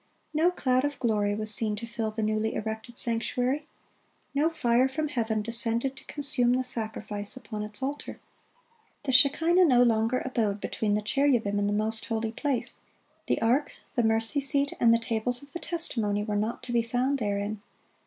No cloud of glory was seen to fill the newly erected sanctuary. No fire from heaven descended to consume the sacrifice upon its altar. The shekinah no longer abode between the cherubim in the most holy place; the ark, the mercy seat, and the tables of the testimony were not to be found therein.